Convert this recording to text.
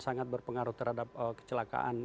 sangat berpengaruh terhadap kecelakaan